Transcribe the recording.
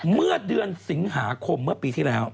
เมื่อเดือนสิงหาคมเมื่อปีที่แล้ว